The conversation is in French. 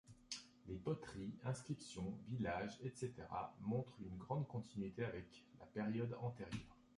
Les poteries, inscriptions, villages, etc. montrent une grande continuité avec la période antérieure.